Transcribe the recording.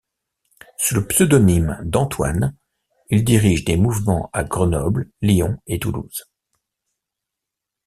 Sous le pseudonyme d'Antoine, il dirige des mouvements à Grenoble, Lyon et Toulouse.